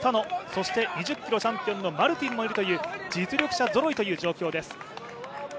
そして２０ｋｍチャンピオンのマルティンもいるという実力者ぞろいという状況です。